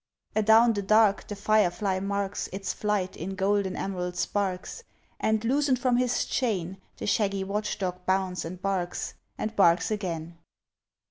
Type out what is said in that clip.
Adown the dark the firefly marks Its flight in golden emerald sparks; And, loosened from his chain, The shaggy watchdog bounds and barks, And barks again.